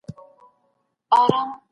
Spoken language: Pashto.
د سړې هوا پر مهال خوله پټه کړه